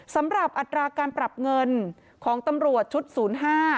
อัตราการปรับเงินของตำรวจชุดศูนย์ห้า